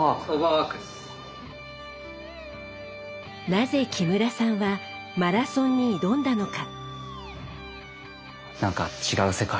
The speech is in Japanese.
なぜ木村さんはマラソンに挑んだのか？